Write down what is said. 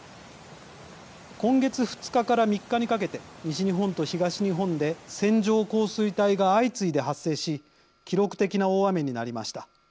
今月２日から３日にかけて西日本と東日本で線状降水帯が相次いで発生し記録的な大雨になりました。